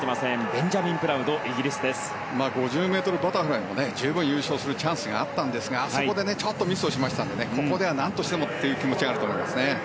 ベンジャミン・プラウド５０ｍバタフライも十分、優勝するチャンスがあったんですがあそこでちょっとミスしましたのでここでは何としてもという気持ちがあると思います。